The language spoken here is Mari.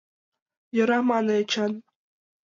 — Йӧра, — мане Эчан.